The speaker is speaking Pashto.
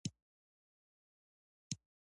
سهار کی قران کریم لوستل به مو ټوله ورځ روښانه ولري